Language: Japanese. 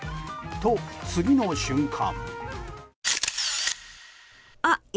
と、次の瞬間。